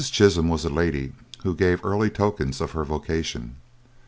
Chisholm was a lady who gave early tokens of her vocation.